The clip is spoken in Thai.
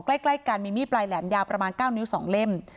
ใกล้กันมีมีดปลายแหลมยาวประมาณ๙นิ้ว๒เล่ม